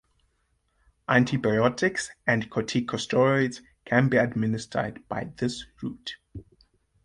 Antibiotics and corticosteroids can be administered by this route.